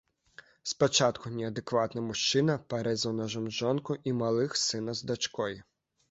Спачатку неадэкватны мужчына парэзаў нажом жонку і малых сына з дачкой.